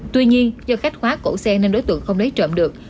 tuy nhiên do khách khóa cổ xe nên đối tượng không lấy trộm được